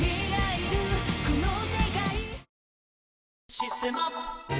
「システマ」